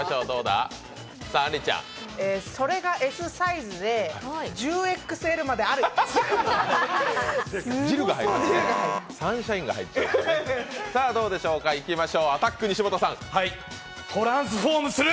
それがＳサイズで、１０ＸＬサイズまである？